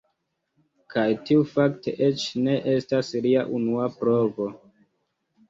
Kaj tiu fakte eĉ ne estas lia unua provo.